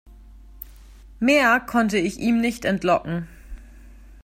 Mehr konnte ich ihm nicht entlocken.